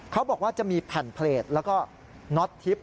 เขาบอกว่าจะมีแผ่นเพลจแล้วก็น็อตทิพย